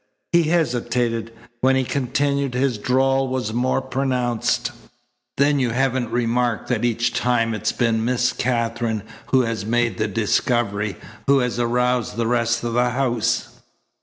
He hesitated. When he continued, his drawl was more pronounced. "Then you haven't remarked that each time it has been Miss Katherine who has made the discovery, who has aroused the rest of the house?"